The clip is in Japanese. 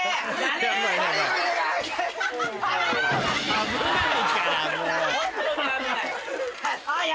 危ないからもう。